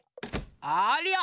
ありゃあ！